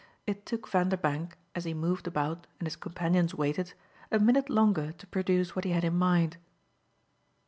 It took Vanderbank, as he moved about and his companions waited, a minute longer to produce what he had in mind.